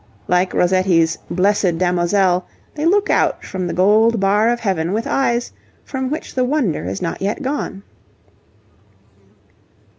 Like Rossetti's 'Blessed Damozel,' they look out from the gold bar of heaven with eyes from which the wonder is not yet gone.